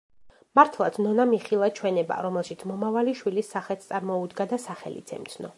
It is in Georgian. მართლაც ნონამ იხილა ჩვენება, რომელშიც მომავალი შვილის სახეც წარმოუდგა და სახელიც ემცნო.